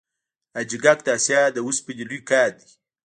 حاجي ګک د اسیا د وسپنې لوی کان دی